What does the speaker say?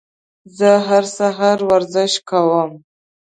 زه هر سهار ورزش کوم.